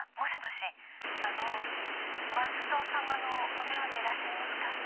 あの松戸様のお電話でいらっしゃいますか？